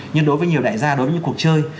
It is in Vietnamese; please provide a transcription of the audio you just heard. nhưng đối với nhiều đại gia đối với những cuộc chơi